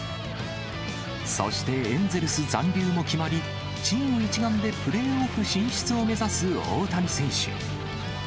そして、エンゼルス残留も決まり、チーム一丸でプレーオフ進出を目指す大谷選手。